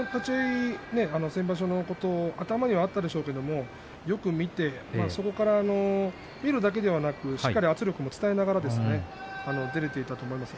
先場所のことは頭にあったんでしょうがよく見てそこから見るだけでなくしっかり圧力を伝えながら出ていたと思います。